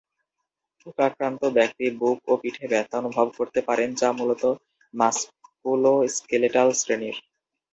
রোগাক্রান্ত ব্যক্তি বুক ও পিঠে ব্যাথা অনুভব করতে পারেন, যা মুলত মাস্কুলো-স্কেলেটাল শ্রেণির।